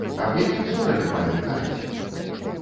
Аб якім сораме, пані, кажаце?